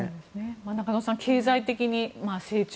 中野さん、経済的に成長。